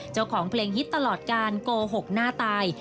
เจ้าของเพลงฮิตตลอดการโกหกหน้าตาย